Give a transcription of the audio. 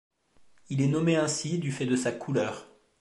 Il est nommé ainsi du fait de sa couleur.